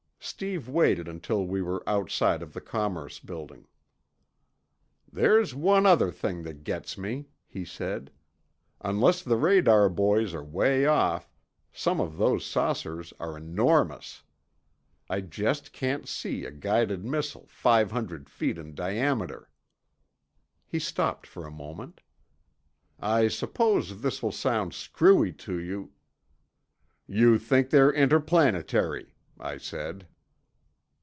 Steve waited until we were outside of the Commerce Building. "There's one other thing that gets me," he said. "Unless the radar boys are way off, some of those saucers are enormous. I just can't see a guided missile five hundred feet in diameter." He stopped for a moment. "I suppose this will sound screwy to you—" "You think they're interplanetary," I said.